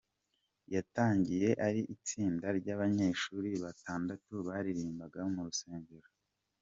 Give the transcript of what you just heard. Yatangiye ari itsinda ry’abanyeshuri batandatu baririmbaga mu rusengero.